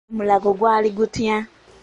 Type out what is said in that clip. E Mulago gwali gutya?